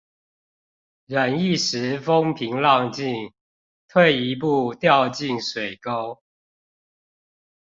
忍一時風平浪靜，退一步掉進水溝